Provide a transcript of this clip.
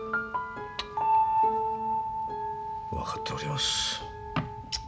分かっております。